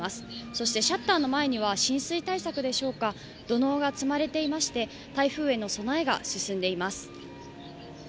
そしてシャッターの前には浸水対策でしょうか、土のうが積まれていまして、台風への備えが進んでいます。